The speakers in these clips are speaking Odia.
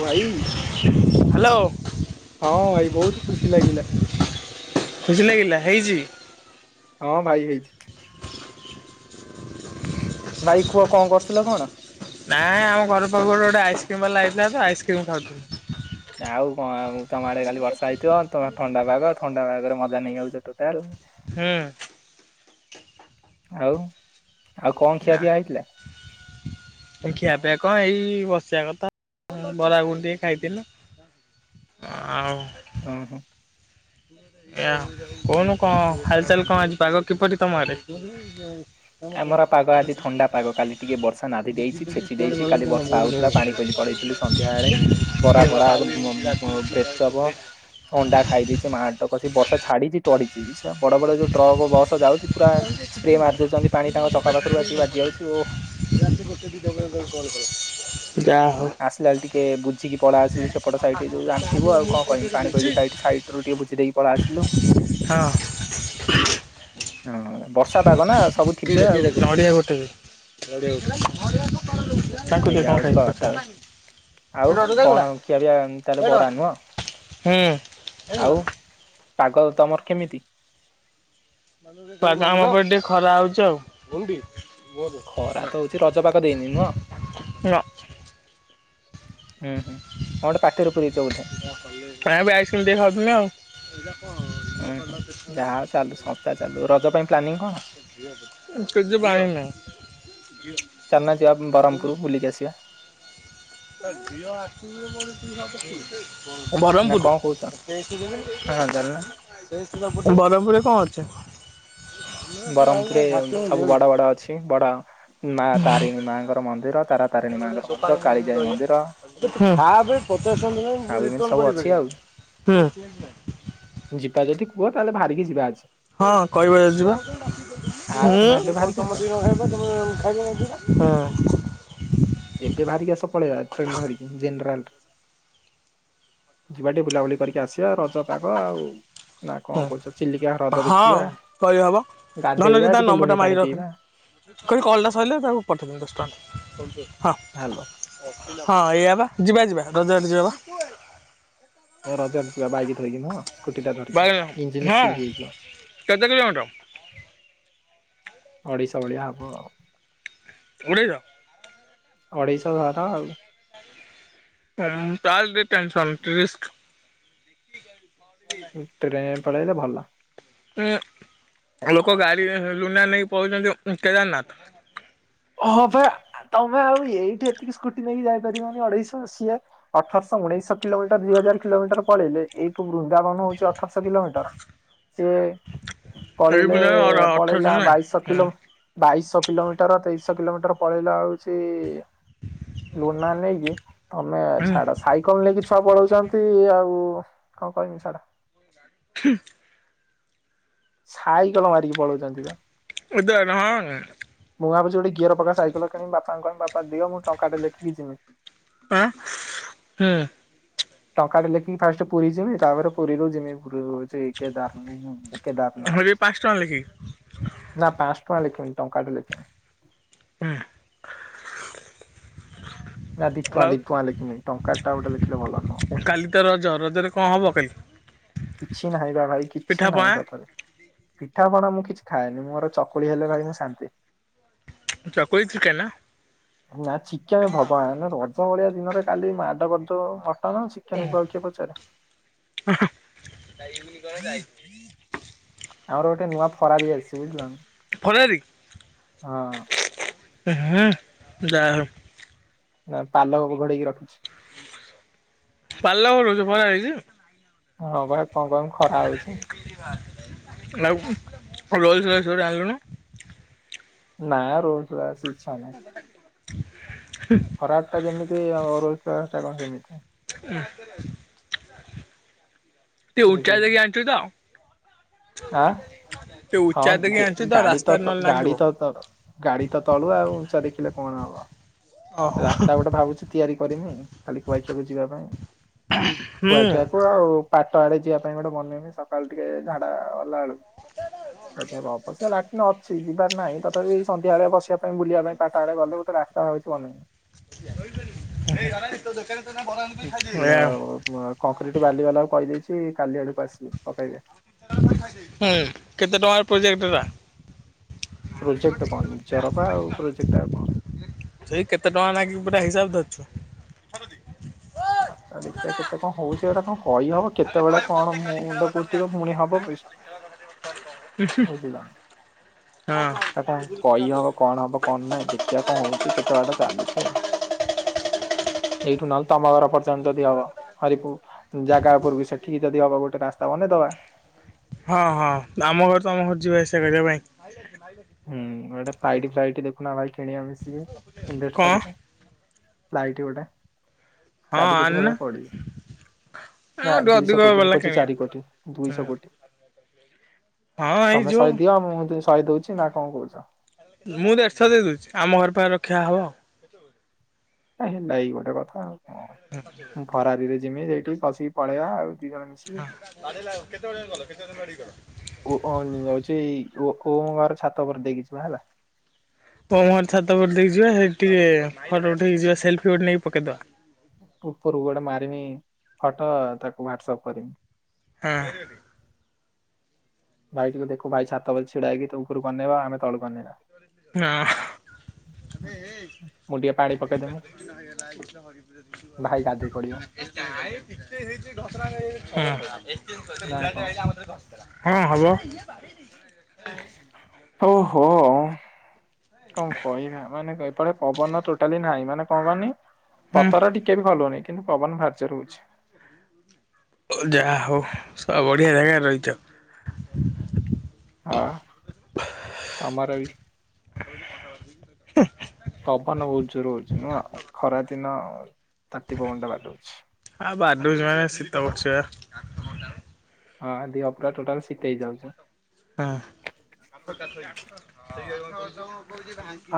ଭାଇ। ହାଲୋ। ହଁ ଭାଇ ବହୁତୁ ଖୁସି ଲାଗିଲା। ଖୁସି ଲାଗିଲା ହେଇଚି। ହଁ ଭାଇ ହେଇଚି। ଭାଇ କୁହ କଣ କରୁଥିଲ କଣ? [unintelligible] ନାଁ ଆମ ଘର ପାଖକୁ ଗୋଟେ ଗୋଟେ ଆଇସ୍କ୍ରିମ୍ ବାଲା ହେଇଥିଲା ତ ଆଇସ୍କ୍ରିମ୍ ଖାଉଥୁ। ଆଉ କଣ ଆଉ ତମ ଆଡ଼େ କାଲି ବର୍ଷା ହେଇଥିବ ତମ ଥଣ୍ଡା ପାଗ ଥଣ୍ଡା ପାଗରେ ମଜା ନେଇଯାଉଚ ଟୋଟାଲ। ହୁଁ। ଆଉ ଆଉ କଣ ଖିଆପିଆ ହେଇଥିଲା? [unintelligible] ଖିଆପିଆ କଣ ଏଇ ବସିବା କଥା ବରା ଗୁଗୁନି ଟିକେ ଖାଇଥିଲୁ। ଆଉ ଓହୋ। ଆ କହୁନୁ କଣ ହାଲଚାଲ କଣ ଆଜି ପାଗ କିପରି ତମ ଆଡ଼େ? ଆମର ପାଗ ଆଜି ଥଣ୍ଡା ପାଗ କାଲି ଟିକେ ବର୍ଷା ନାଦି ଦେଇଛି ଛେଚି ଦେଇଛି କାଲି ବର୍ଷା ହଉଥିଲା ପାଣି କୋଇଲି ପଳେଇଥିଲି। ସନ୍ଧ୍ୟାଏଳେ ବରା ଫରା ବ୍ରେଚପ। ଅଣ୍ଡା ଖାଇ ଦେଇଛି ମାଡ଼ କସିକି ବର୍ଷା ଛାଡ଼ିଚି ଟଡ଼ିଛି ଏ ଶ ବଡ଼ ବଡ଼ ଯୋଉ ଟ୍ରକ ବସ ଯାଉଛି ପୁରା ସ୍ପ୍ରେ ମାରି ଦଉଛନ୍ତି ପାଣି ତାଙ୍କ ଚକା ପାଖରୁ ଆସିକି ବାଜି ଯାଉଛି ଓଃ। ରାତି ଗୋଟେ ଦିଟା ବେଳେ ତମେ କଲ୍ କଲ ଯା ହଉ। ଆସିଲାଏଳେ ଟିକେ ବୁଝିକି ପଳେଇ ଆସିଲୁ ସେପଟ ସାଇିଟି ଯୋଉ ଜାଣିଥିବୁ ଆଉ କଣ କହିବି ପାଣି କୋଇଲି ସାଇଟ୍ ସାଇଟ୍ ଟ୍ରୁ ଟିକେ ବୁଝିଦେଇକି ପଳେ ଆସିଲୁ। ହଁ। ହୁଁ ବର୍ଷା ପାଗ ନା ସବୁ ଠିବେ ଆଉ। ହଁ ନଡ଼ିଆ ଗୋଟେରେ [unintelligible] ଏଇଆ ହଉଚି ଖାଇବୁ କଟକ। ପଛରେ ଆଉ କଣ ଖିଆ ପିଆ ତାହେଲେ ବରା ନୁହଁ ହୁଁ ଆଉ। ପାଗଲ ତମର କେମିତି? ପାଗ ଆମର ଏପଟେ ଟିକେ ଖରା ହଉଛି ଆଉ। ଖରା ତ ହଉଛି ରଜ ପାଗ ଦେଇନି ନୁହଁ ନା। ହୁଁ-ହୁଁ କଣ ଗୋଟେ ପାଟିରେ ପୁରେଇଚ ବୋଧେ? ଆଇସ୍କ୍ରିମ୍ ଟିକେ ଖାଉଥିଲି ଆଉ। ଉଁ ହୁଁ ଯାହା ଆଉ ଚାଲୁ ସଂସ୍ଥା ଚାଲୁ। ରଜ ପାଇଁ ପ୍ଲାନିଂ କଣ? [unintelligible] ନାହିଁ। ଚାଲୁନା ଯିବା ବ୍ରହ୍ମପୁର ବୁଲିକି ଆସିବା। ତା ଝିଅ ଆସିନି ବୋଲି ପିଇ ହବକି? ନା କଣ ବ୍ରହ୍ମପୁର। କହୁଛ ହଁ ଚାଲୁନା। ବ୍ରହ୍ମପୁରରେ କଣ ଅଛି? ବ୍ରହ୍ମପୁରରେ ସବୁ ବଡ-ବଡ ଅଛି ବଡ ମା ତାରିଣୀ ମାଙ୍କର ମନ୍ଦିର, ତାରା ତାରିଣୀ ମାଙ୍କର ମନ୍ଦିର, କାଳିଜାଇ ମନ୍ଦିର। ଖାବେ ପଚାସ ଟଙ୍କା ଦେଲେ ଆଉ ମୁଁ ଏମିତି ରିଟର୍ନ ସବୁ ଅଛି ଆଉ କରିପାରିବିନି ଚେଞ୍ଜ ନାହିଁ। ଯିବା ଯଦି କୁହ ତାହେଲେ ବାହାରିକି ଯିବା ଆଜି। ହଁ କହିବ ଯଦି ଯିବା ଆସୁନା ଏବେ ବାହାରିକି ଆସ ହୁଁ। ହଁ। ଏବେ ବାହାରିକି ଆସ ପଳେଇବା ଟ୍ରେନ ଧରିକି ଜେନେରାଲ ରେ। ଯିବା ଟିକେ ବୁଲାବୁଲି କରିକି ଆସିଆ। ରଜ ଶୁଖିଲା ପାଗ ଆଉ ନା କଣ ହୁଁ କହୁଛ ଚିଲିକା ହ୍ରଦ ହଁ ଦେଖିଆ। କହିହବ। ଗାଧେଇବା ଟିକେ ଲୁଣି ପାଣି ପିଇବା। କରି କଲ୍ଟା ସରିଲେ ତାକୁ ପଠେଇଦିଅନ୍ତୁ ରେଷ୍ଟୁରାଣ୍ଟ ହାଲୋ ହଁ। ହଁ ଏଇଆ ବା ଯିବା ଯିବା ରଜଆଡେ ଯିବା ବା। କୁଆଡେ? ଏ ରଜରେ ଯିବା ବାଇକ ଧରିକି ନୁହଁ? ସ୍କୁଟି ଟା ଧରିକି ବାଇକି ଇଞ୍ଜିନ ଧଅ ହଁ କେତେ କିଲୋମିଟର? ଓଡିଶା ଭଳିିଆ ହବ ଆଉ। ଉଡେଇଲ। ଓଡିଶା ଘର ଆଉ। ହଁ ତାହେଲେ ଟିକେ ଟେନ୍ସନ ରିଷ୍କ୍। ଟ୍ରେନରେ ପଳେଇଲେ ଭଲ। ଉଁ ଲୋକ ଗାଡି ଲୁନା ନେଇକି ପଳଉଚନ୍ତି କେଦାରନାଥ। ହଁ ବା ତମେ ଆଉ ଏଇଠି ଏତିକି ସ୍କୁଟି ନେଇକି ଯାଇପାରିବନି ଅଢେଇଶହ ଅସିବ। ଅଠରଶହ ଉଣେଇଶ କିଲୋମିଟର ଦିଇ ହଜାର କିଲୋମିଟର ପଳେଇଲେ ଏଇଠୁ ବୃନ୍ଦାବନ ହଉଛି ଅଠରଶହ କିଲୋମିଟର। ସିଏ ଏଇ ପଳେଇଲେ ବୁଲା ପଳେଇଲା ଅଠରଶହ ନାଇଁ ବାଇଶସହ କିଲୋ ହୁଁ ବାଇଶସହ କିଲୋମିଟର ତେଇଶଶହ କିଲୋମିଟର ପଳେଇଲା ହଉଛି ଲୁନା ନେଇକି ତମେ ଛାଡ। ସାଇକେଲ ନେଇକି ଛୁଆ ପଳଉଛନ୍ତି ଆଉ କଣ କହିମି ଛାଡ଼। ହୁଁ। ସାଇକଲ ମାରିକି ପଳଉଛନ୍ତି ବା। ଉଦାହରଣ ହଁ। ମୁଁ ଭାବୁଛି ଗୋଟେ ଗିଅର ପକା ସାଇକଲ କିଣିବି। ବାପାଙ୍କୁ କହିବି ବାପା ଦିଅ ମୁଁ ଟଙ୍କା ଲେଖିକି ଯିମି। ଆ ହୁଁ। ଟଙ୍କା ଟେ ଲେଖି ଫାଷ୍ଟ ପୁରୀ ଜିମି ତାପରେ ପୁରୀରୁ ଜିମି ପୁରୀ ରହୁଛି। ସେ କେଦାରନା କେଦାରନାଥ। ଏବେ ପାଞ୍ଚ ଟଙ୍କା ଲେଖି ନା ପାଞ୍ଚ ଟଙ୍କା ଲେଖିବିନ ଟଙ୍କାଟେ ଲେଖିବି। ନା ଦି ହୁଁ। ଟଙ୍କା ଦି ଟଙ୍କା ଲେଖିବି ଟଙ୍କା ଟା ଗୋଟେ ଲେଖିଲେ ଭଲ ନୁହଁ। ଆଉ କାଲି ତ ରଜ ରଜରେ କଣ ହବ କାଲି? କିଛି ନାହିଁ ବା ଭାଇ ପିଠା କିଛି ପଣା ନାହିଁ ସତରେ ପିଠାପଣା ମୁଁ କିଛି ଖାଏନି ମୋର ଚକୁଳି ହେଲେ ଭାଇ ମୁଁ ଶାନ୍ତି। ଚକୁଳି ଛେନା ନା ଶ୍ମେ ଭଗବାନ ରଜ ଭଳିଆ ଦିନରେ କାଲି ମାଦ ଗଦ ହଁ, ହ ଚିକେନକୁ ଆଉ କିଏ ପଚାରେ। କରାଇ [unintelligible] ଆମର ଗୋଟେ ନୂଆ ଫରାରୀ ଆସି ଫତାରି ହୁଁ ଯା ହଉ। ନା ପାଲ ଘୋଡେଇକି ରଖୁଛି। ପାଲ ଘୋଡେଇକି ପା ଆଇଲି। ହଁ ଭାଇ କଅଁ କଇବି ଖରା ହଉଚି। ର ଆିଲୁନ [unintelligible] ନା ରୋଲସ ବାସ ଇଚ୍ଛା ନାହି। ହୁଁ। ଖରା ଟା ଯେମିତି ଆଉ ଅରୋହିତପା ଟା କଣ ସେମିତି। ହ [unintelligible] ଟିକେ ଉଚ୍ଚା ବୁଝିଲୁ ଦେଇକି ଆଣିବ ତ? ଆଁ ଟିକେ ହଁ ଉଚ୍ଚା ଦେଖି ଯେ ଆଣିଛୁ ଗାଡି ତ ରାସ୍ତାରେ ତ ନହେଲେ ଲାଗିବ ଗାଡି ତ ତ ଗାଡି ତ ତଳୁଆ ଉଞ୍ଚା ଦେଖିଲେ କଣ ହବ ଓହୋ ରାସ୍ତା ଗୋଟେ ଭାବୁଡ଼ି। ତିଆରି କରିମି ଖାଲି କୁଆଖିଆକୁ ଯିବା ପାଇଁ ହୁଁ କୁଆଖିଆକୁ ଆଉ ପାଟ ଆଡେ ଯିବା ପାଇଁ ଗୋଟେ ବନେଇନି ସକାଳୁ ଟିକେ ଝାଡା ଗଲା ବେଳକୁ। ହ ହଁ। ଅବସ୍ୟ ଲାଟିନ ଅଛି ଯିବାର ନାହିଁ ତଥାପି ସନ୍ଧ୍ୟାବେଳେ ବସିବା ପାଇଁ ବୁଲିବା ପାଇଁ ତାଙ୍କ ଆଡ଼େ ଗଲେ ମତେ ତାହା ହେଉଛି ଅନାନ। ଦୋକାନ ଖାଇଲି [unintelligible] ହଁ କଂକ୍ରିଟ ବାଲି ବାଲାକୁ କହିଦେଇଚି କାଲି ଆଡକୁ ଆସିକି ପକେଇବେ। ଏ କେତେ ଟଙ୍କାର ପ୍ରୋଜେକ୍ଟ ହେଲା। ପ୍ରୋଜେକ୍ଟ କଣ ନିଜର ବା ଆଉ ପ୍ରୋଜେକ୍ଟ ଆଉ କଣ। ସେଇ କେତେ ଟଙ୍କା ନାଗି ପୁରା ହିସାବ ଧରିଚୁ। ଆ ତ ଦେଖା କେତେ କଅଁ ହଉଚି ଏଭଡ଼ା କଣ କହିହବ କେତେବେଳେ କଣ ମୁଣ୍ଡକୁ ଉଠିବ ପୁଣି ହବ ବୁଝିଲ ହଁ ଏଭଡ଼ା କହିହବ କଣ ହବ କଣ ନାହିଁ ଦେଖିଆ କଆଁ ହଉଚି କେତେ ବାଟ ଚାଲୁଛେ। ଏଇଠୁ ନଲ୍ ତମ ଘର ପର୍ଯ୍ୟନ୍ତ ଯଦି ହବ ହରିପୁ ଜାଗା ଉପୁରକୁ ସେଠିକି ଯଦି ହବ ଗୋଟେ ରାସ୍ତା ବନେଇଦବା। ହଁ ହଁ ଆମ ଘର ତମ ଘର ଯିବା ଆସିବା କରିବା ପାଇଁ। ହୋଇ ଲାଇଟ୍ରେ ମାଇ ଲାଇଟ ହୁଁ ଗୋଟେ ଫ୍ଲାଇଟ ଫ୍ଲାଇଟ ଦେଖୁନ ଭାଇ କିଣିବା ମିଶିକି ଇନଭେଷ୍ଟ କଣ କରିବ। ଫ୍ଲାଇଟଗୋଟେ ହଁ ଚାରି କୋଟି ଆଣନା ଭଳିଆ ପଡିିବ। ନା ଆଉ ଟିକେ ଦୁଇଶହ ଅଧିକ କୋଟି ମୁଁ ବାଲା କୋଉଚି କିଣିବା। ଚାରି କୋଟି ଦୁଇଶହ କୋଟି। ହଁ ତମେ ହେଇଯିବ ସହେ ଦିଅ ମୁଁ ସହେ ଦଉଚି ନା କଣ କହୁଛ। ମୁଁଦେଢ ଶହ ଦେଇଦଉଚି ଆମ ଘର ପାଖର ଖିଆ ହବ। ହେଲା ଏଇ ଗୋଟେ କଥା ଆଉ କଣ ମୁଁ ଫରାରୀରେ ଯିମି ସେଇଠି ବସିକି ପଳେଇବା ଆଉ ଦି ଜଣ ମିଶି [unintelligible] କେତେବେଳେ ଗଲ କେତେବେଳେ ଗଡିଗଲ। ଓ ଯାଉଚି ଓ ମୋ ଘର ଛାତ ଉପର ଦେଇକି ଯିବା ହେଲା। ଓମ୍ ହର ଛାତଉପର ଦେଇକି ଯିବା ହେଟିଫଟୋ ଉଠେଇକି ଯିବା ସେଲ୍ଫି ଗୋଟେ ନେଇକି ପକେଇଦବା। ଉପରକୁ ଗୋଟେ ମାରିନି ଫଟୋ ତାକୁ ହ୍ଵାଟସପ୍ କରମି। ଆଂ, ହ। ଭାଇ ଟିକେ ଦେଖୁ ଭାଇଛାତ ଉପରେ ଛିଡା ହେଇକି ଉପରକୁ ଅନେଇବ ଆମେ ତଳକୁ ଅନେଇବା। ହଁ [unintelligible] ମୁଁ ଟିକେ ପାଣି ପକେଇଦେମି [inaudible] ନାଇ ଭାଇ ଗାଧେଇ ପଡିବ ଟିକେ ହେଇଛି ଦଶରା ନା କଣ? [inaudible] ହଁ ହବ। ହଉ ହୋ। କଣ କହିବା ମାନେ ଏପଟେ ପବନ ଟୋଟାଲି ନାହିଁ, ମାନେ କଣ କହନି ହୁଁ। ପତର ଟିକେ ବି ଭଲ ହଉନି କିନ୍ତୁ ପବନ ଭାରି ଜୋର୍ ହଉଚି। ହଉ ଯାହା ହଉ ସବ ବଢିଆ ଜାଗାରେ ରହିଚ। ହଁ ଆମର ବି। ହେ ପବନ ବହୁତ ଜୋର ହଉଛି ନୁହଁ, ଖରା ଦିନ ତାତି ପବନ ଟା ବାଡଉଛି। ଆଉ ବାଡଉଛି ମାନେ ଶୀତ କରୁଛିବା। ହଁ ଦିହ ପୁରା ଟୋଟାଲ ଶୀତେଇ ଯାଉଛି। ଆଁ।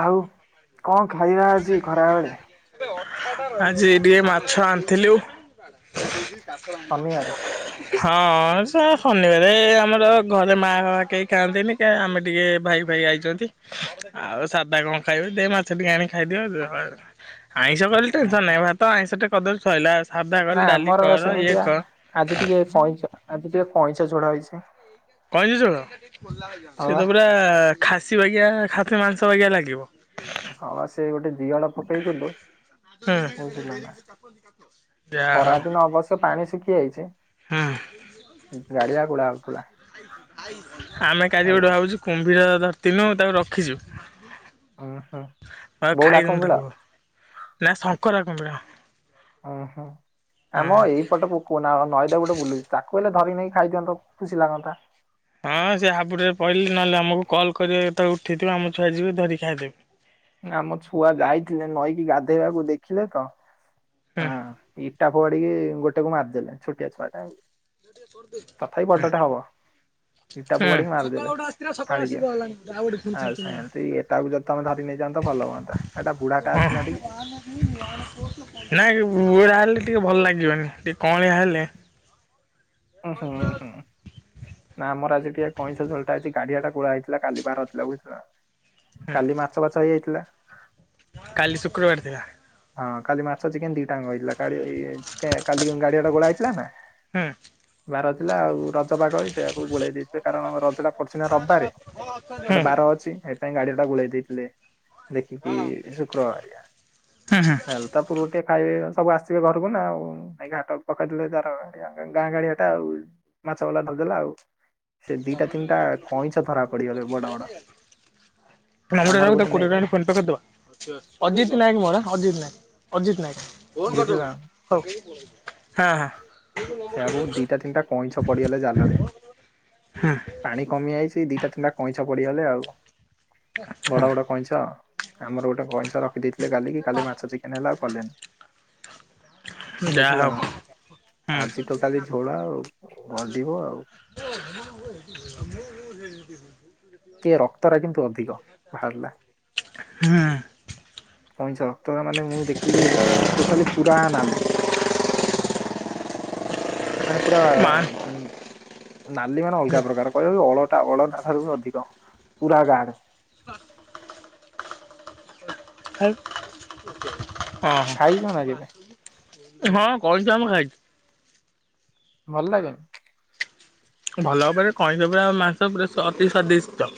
ଆଉ କଣ ଖାଇିବା ଅଛି ଖରା ବେଳେ? ଆଜି ଟିକେ ମାଛ ଆଣିଥିଲୁ। ଶନିବାରେ ହଁ ଶନିବାରେ ଆମର ଘରେ ମା ବା କେହି ଖାଆନ୍ତିନି କେ ଆମେ ଟିକେ ଭାଇ ଭାଇ ଆଇଛନ୍ତି। ଆଉ ସାଧା କଣ ଖାଇବ ଦେ ମାଛ ଟିକେ ଆଣିକି ଖାଇଦିଅ ଆଇଁଷ କଲି ହଁ ଟେନସନ ନାଇଁ ଭାତ ଆଇଁଷଟେ କରିଦେଲେ ସଇଲା, ସାଧା କଲେ ନା ଡାଲି ଆମର କର ଇଏ ସେମିତିଆ କର। ଆଜି ଟିକେ କଇଁଚ ଆଜି ଟିକେ କାଇଁଚ ଝୋଳ ହେଇଛି। କଇଁଚ ଝୋଳ ହଁ ସେ ବା। ତ ପୁରା ଖାସି ବାଗିଆ ଖାସି ମାଂସ ବାଗିଆ ଲାଗିବ। ହଁବା ସେ ଗୋଟେ ଦିଅଳ ପକେଇଥିଲୁ ହୁଁ ବୁଝିଲ ନା। ଯାହା ହଉ ଖରାଦିନ ଅବଶ୍ୟ ପାଣି ଶୁଖି ଯାଇଛି। ହୁଁ। ଗାଡିଆ କୁଡା ହଉ ଥଲା। ଆମେ କାଲି ଗୋଟେ ଭାବୁଛୁ କୁମ୍ଭୀର ଧରତିନୁ ତାକୁ ରଖିଛୁ। ଉଁ ହୁଁ ଆଉ ବଉଳା ଖାଇଥାନ୍ତୁ କୁମ୍ବିଳ ତାକୁ, ନା ଶଙ୍କରା କୁମ୍ଭୀର। ଉଁ ହୁଁ ଆମ ହଁ। ଏଇପଟ ପ କୋନା ନଈଦା ଗୋଟେ ବୁଲୁଛି ତାକୁ ହେଲେ ଧରି ନେଇ ଖାଇ ଦିଅନ୍ତ ଖୁସି ଲାଗନ୍ତା। ହଁ ସେ ହାବୁଡରେ ପଇଲେ ନହେଲେ ଆମକୁ କଲ୍ କରିବେ ଯେତେବେଳେ ଉଠେଇଥିବ ଆମ ଛୁଆ ଯିବେ ଧରିକ ଖାଇଦେବେ। ଆମ ଛୁଆ ଯାଇଥିଲେ ନଈକି ଗାଧେଇବାକୁ ଦେଖିଲେ ତ? ହଁ। ଇଟା ଫୋପାଡିକି ଗୋଟେକୁ ମାରିଦେଲେ ଛୋଟିଆ ଛୁଆଟା ଉ। ହା। ଇଟା ଫୋପାଡିକି ମାରିଦେବେ ଫାଳିକିଆ ଆଉ ସେମତି ଏଟାକୁ ଯଦି ତମେ ଧରି ନେଇଯା ତ ଭଲ ହୁଅନ୍ତା ଏଟା ବୁଢା ଅଛି ନା ହଁ ଟିକେ। ନାଇଁ ବୁଢା ହେଲେ ଟିକେ ଭଲ ଲାଗିବନି ଟିକେ କଅଁଳିଆ ହେଲେ। ଉଁ ହୁଁ ହୁଁ। ନା ଆମର ଆଜି ଟିକେ କଇଁଚ ଝୋଳଟା ଆଜି ଗାଡିଆ ଟା କୋଳା ହେଇଥିଲା କାଲି ବାର ଥିଲା ବୁଝିଲା। କାଲି ମାଛ ବାଛ ହେଇଯାଇଥିଲା। କାଲି ଶୁକ୍ରବାର ଥିଲା। ହଁ କାଲି ମାଛ ଚିକେନ ଦିଟା ଯାକ ହେଇଥିଲା, କାଲି ଗାଡିଆ ଟା ଗୋଳା ହେଇଥିଲା ନା। ହୁଁ। ବାର ଥିଲା ଆଉ ରଜ ପାଗ ହେଇଚି। ସେଆକୁ ଗୋଳେଇ ଦେଇଥିବେ କାରଣ ରଜଟା ପଡଛି ନା ରବାରେ ହୁଁ ଗୋଟେ ବାର ଅଛି ଥିପାଇଁ ଗାଡିଆଟା ଗୋଳେଇ ଦେଇଥିଲେ ଦେଖିକି ଶୁକ୍ରବାରିଆ। ହଁ ହଁ। ତା ପୂର୍ବ ଟିକେ ଖାଇବେ ସବୁ ଆସିବେ ଘରକୁ ନା ଆଉ। ଭାଇ ଘାଟ ପକେଇଦେଲେ ତାର ଗାଁ ଗାଳିଆ ଟା ଆଉ ମାଛ ଭଲା ଧରିଦେଲା ଆଉ। ସେ ଦିଟା ତିନିଟା କଇଁଛ ଧରା ପଡିିଗଲେ ବଡ ବଡ। [unintelligible] ତାକୁ ଆମର କୋଡିଏ ଗୋଟେ ନେ ଟଙ୍କା ଟା ଫୋନ ପେ କରଦବ ଅଜିତ୍ ନାୟକ ମୋର ଅଜିତ୍ ନାୟକ ଅଜିତ୍ ନାୟକ। ବୁଝିଲ ହଉ ହଁ ହଁ। ସେୟାକୁ ଦିଟା ତିନିଟା କଇଁଛ ପଡିଗଲେ ଜାଲରେ। ହୁଁ। ପାଣି କମି ଯାଇଛି ଦିଟା ତିନିଟା କଇଁଛ ପଡିଗଲେ ଆଉ ବଡ ବଡ। କଇଁଛ ଆମର ଗୋଟେ କଇଁଛ ରଖି ଦେଇଥିଲେ କାଲି କି କାଲି ମାଛ ଚିକେନ ହେଲା ଆଉ କଲେନି। ହୁଁ ବୁଝିଲ ଯାହା ନା ହଉ। ହୁଁ ଆଜି ଟୋଟାଲି ଝୋଳ ଆଉ ଗଡିବ ଆଉ। [inaudible] କି ଏ ରକ୍ତ ରା କିନ୍ତୁ ଅଧିକ ବାହାରିଲା। ହୁଁ। କଇଁଛ ଅତଗା ମାନେ ମୁଁ ଦେଖିଲି ଟୋଟାଲି ପୁରା ନାଲି। [inaudible] ମାନେ ପୁରା ମା ଉଁ ନାଲି ମାନେ ଅଲଗା ପ୍ରକାର। କହିବ ବି ଅଳତା ଅଳତା ଠାରୁ ବି ଅଧିକ ପୁରା ଗାଢ଼। ହଁ। ଖା ହଁ ଖାଇଛ ନା କେବେ ହଁ ହଁ କଇଁଛ ମୁଁ ଖାଇଚି। ଭଲ ଲାଗେନି। ଭଲ ଭାବରେ କଇଁଛ ପୁରା ମାଂସ ପୁରା ସ ଅତି ସ୍ୱାଦିଷ୍ଟ।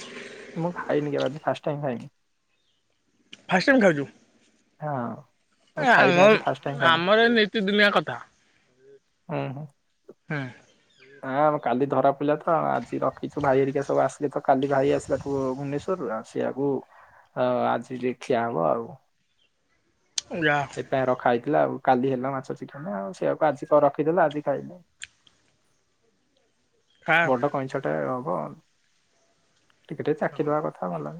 ମୁଁ ଖାଇନି କେବେ ଆଜି ଫାର୍ଷ୍ଟ ଟାଇମ ଖାଇନି। ଫାର୍ଷ୍ଟ ଟାଇମ ଖାଉଛୁ। ହଁ ମୁଁ ଏ ଖାଇନି ଆମ ଆଜି ଉଁ ଫାଷ୍ଟ ଟାଇମ ଖାଇବି ଆମର ଏ ନୀତି ଦିନିଆ କଥା। ହୁଁ ହୁଁ। ହୁଁ। ନା ମ କାଲି ଧରା ପଡ଼ିଲା ତ ଆଜି ରଖିଛୁ ଭାଇ ହେରିକା ସବୁ ଆସିଲେ ତ କାଲି ଭାଇ ଆସିଲା ତ ଭୁବନେଶ୍ୱରରୁ ଆଉ ସେୟାକୁ ଅ ଆଜି ଟିକେ ଖିଆ ହବ ଆଉ। ଯା। [unintelligible] ରଖା ହେଇଥିଲା ଆଉ କାଲି ହେଲା ମାଛ ଚିକେନେ ଆଉ ସେୟାକୁ ଆଜି ର-ରଖିଥିଲୁ ଆଜି ଖାଇଲୁ। ଖା ବଡ କଇଁଛ ଟେ ହବ ଟିକେ ଟିକେ ଚାଖିଦବା କଥା ଭଲ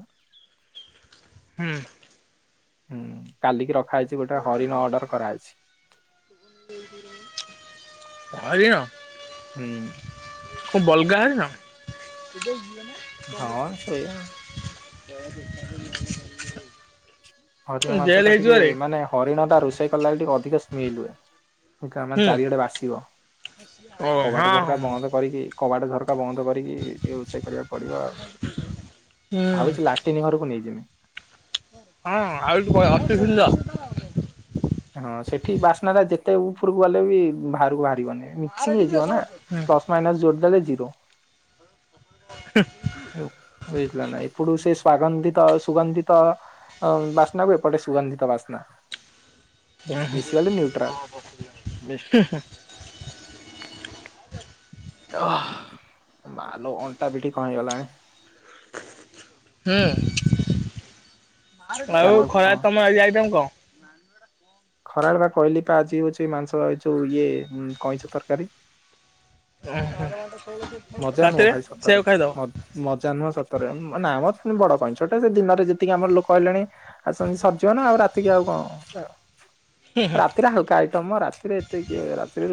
ହୁଁ। ହୁଁ କାଲି କି ରଖାହେଇଛି ଗୋଟେ ହରିଣ ଅର୍ଡର କରାହେଇଛି। ହରିଣ। ହୁଁ। କ ବଲଗା ହରିଣ। ହ ହଁ ସେଇଆ। ହରିଣ ମାଂସ ଟା ଟିକେ ମାନେ ହରିଣ ଟା ରୋଷେଇ କଲା ବେଳେ ଟିକେ ଅଧିକ ସ୍ମେଲ ହୁଏ। ଫାଙ୍କା ମାନେ ହୁଁ ଚାରିଆଡେ ବାସିବ ଓ ହଁ କବାଟ ହଁ ଝରକା ବନ୍ଦ କରିକି କବାଟ ଝର କା ବନ୍ଦ କରିକି ଟିକେ ରୋଷେଇ କରିବାକୁ ପଡିବ ଆଉ ହୁଁ ଭାବୁଛି ଲାଟିନୀ ଘରକୁ ନେଇଯିମି। ହଁ ଆଉ ଠୁ ବ ଅତି ସୁନ୍ଦର। ହଁ ସେଠି ବାସ୍ନା ଟା ଯେତେ ଉପରକୁ ଗଲେ ବି ବାହାରକୁ ବାହାରିିବନି। ମିକ୍ସିଙ୍ଗ ହେଇଯିବ ନା ହୁଁ ପ୍ଲସ ମାଇନାସ୍ ଜୋଡି ଦେଲେ ଜିରୋ। ହୁଁ। ଉଁ ବୁଝିଲ ନା ଏପଟୁ ସେ ସ୍ଵାଗନ୍ଧିତ ସୁଗନ୍ଧିତ। ଅ ବାସ୍ନା କୁ ଏପଟେ ସୁଗନ୍ଧିତ ବାସ୍ନା। ଉଁ ମିଶିଗଲେ ହୁଁ ନ୍ୟୁଟ୍ରାଲ ହୁଁ ବେଷ୍ଟ। ହୁଁ। ଓହ ମାଲୋ ଅଣ୍ଟା, ପିଠି କଣ ହେଇଗଲାଣି। ହୁଁ ଆଉ ଚାଲୁ କଣ ଖରାରେ ତମେ ଆଜି ତମ ଆଇଟମ କଣ? ଖରାବେଳେ ବା କହିଲି ପା ଆଜି ହଉଛି ମାଂସ ଏଇ ଯୋଉ ଇଏ ଉଁ କଇଁଛ ତରକାରୀ। ଉଁ ହୁଁ। ମଜା ନୁହଁ ଭାଇ ସତରେ ମଦ୍ ମଜା ନୁହଁ ସତରେ ନା ମ ସେ ବଡ ପାଇ ଛୋଟ ସେ ଦିନରେ ଯେତିକି ଆମର ଲୋକ ହେଲେଣି। ଆଉ ସେ ସଜିବ ନା ଆଉ ରାତିକି ଆଉ କଣ ରାତିରେ ହାଲକା ହେଇ ତମ ରାତିରେ ଏତେ କିଏ ରାତିରେ।